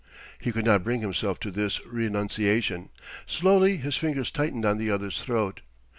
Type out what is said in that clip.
He could not bring himself to this renunciation; slowly his fingers tightened on the other's throat.